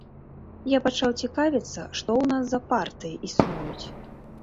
Я пачаў цікавіцца, што ў нас за партыі існуюць.